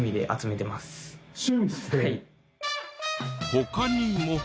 他にも。